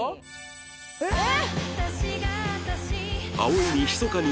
えっ！？